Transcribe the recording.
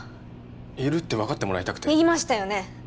いるって分かってもらいたくて言いましたよね